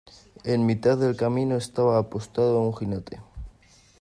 en mitad del camino estaba apostado un jinete: